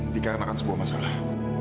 dikarenakan sebuah masalah